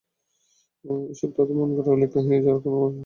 এসব তাদের মনগড়া অলীক কাহিনী যার কোন গ্রহণযোগ্যতা নেই।